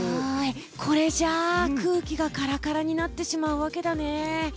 これじゃあ空気がカラカラになってしまうわけだね。